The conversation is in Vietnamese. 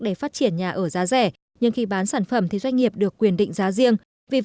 để phát triển nhà ở giá rẻ nhưng khi bán sản phẩm thì doanh nghiệp được quyền định giá riêng